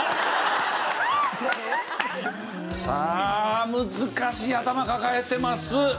さあ難しい頭抱えてます。